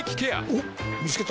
おっ見つけた。